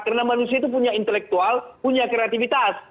karena manusia itu punya intelektual punya kreativitas